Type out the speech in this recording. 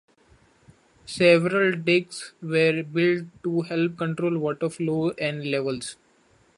Several dykes were built to help control water flow and levels.